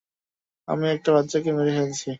আমি একটা বাচ্চাকে মেরে ফেলছি!